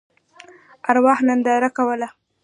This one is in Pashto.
ارواح ننداره کوله.